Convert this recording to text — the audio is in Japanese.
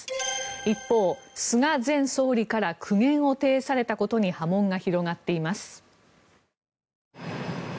一方、菅前総理から苦言を呈されたことに波紋が広がっています。